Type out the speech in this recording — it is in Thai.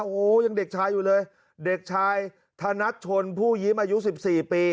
โอ้โหยังเด็กชายอยู่เลยเด็กชายธนัดชนผู้ยิ้มอายุ๑๔ปี